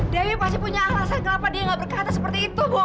dewi pasti punya alasan kenapa dia nggak berkata seperti itu bu